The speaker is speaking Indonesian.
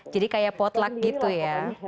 jadi kayak potluck gitu ya